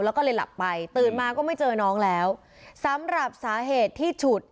แล้วก็เลยหลับไปตื่นมาก็ไม่เจอน้องแล้วสำหรับสาเหตุที่ฉุด